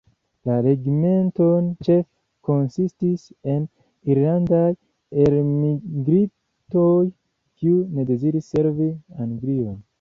La regimento ĉefe konsistis el irlandaj elmigrintoj, kiuj ne deziris servi Anglion.